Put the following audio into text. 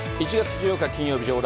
１月１４日